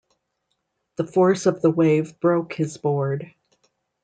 The force of the wave broke his board.